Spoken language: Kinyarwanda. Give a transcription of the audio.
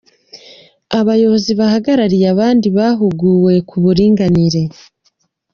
Abayobozi bahagarariye abandi bahuguwe ku buringanire